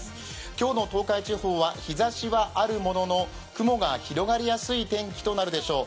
今日の東海地方は日ざしはあるものの雲が広がりやすい天気となるでしょう。